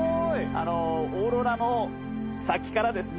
あのオーロラの先からですね